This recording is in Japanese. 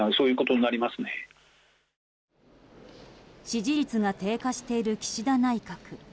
支持率が低下している岸田内閣。